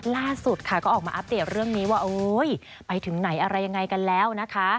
ล่าสุดค่ะก็ออกมาอัปเดตเรื่องนี้ว่าโอ๊ยไปถึงไหนอะไรยังไงกันแล้วนะคะ